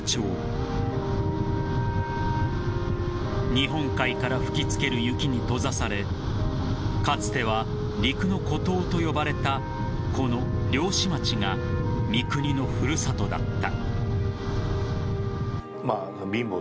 ［日本海から吹き付ける雪に閉ざされかつては陸の孤島と呼ばれたこの漁師町が三國の古里だった］